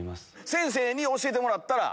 先生に教えてもらったら。